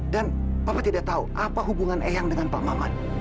dan papa tidak tahu apa hubungan eyang dengan pak maman